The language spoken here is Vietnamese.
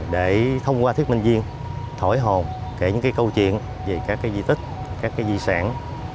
để thông qua thuyết minh viên thổi hồn kể những câu chuyện về các di tích các di sản